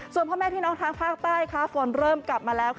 ส่วนพ่อแม่พี่น้องทางภาคใต้ฝนเริ่มกลับมาแล้ว